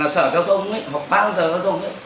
sở giao thông